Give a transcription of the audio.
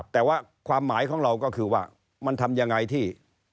แต่ว่าความหมายของเราก็คือว่ามันทำยังไงที่